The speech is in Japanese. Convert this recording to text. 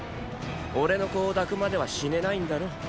俺の子を抱くまでは死ねないんだろ？